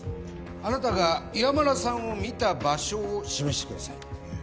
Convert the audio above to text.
あなたが岩村さんを見た場所を示してください